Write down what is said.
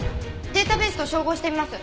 データベースと照合してみます。